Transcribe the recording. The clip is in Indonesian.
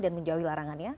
dan menjauhi larangannya